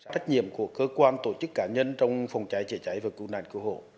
trách nhiệm của cơ quan tổ chức cá nhân trong phòng cháy chữa cháy và cứu nạn cứu hộ